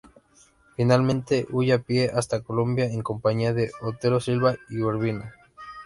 Finalmente huye a pie hasta Colombia en compañía de Otero Silva y Urbina.